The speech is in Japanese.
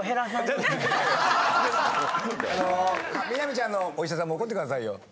美波ちゃんのお医者さんも怒ってくださいよ。